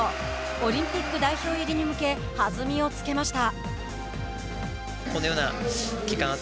オリンピック代表入りに向け弾みをつけました。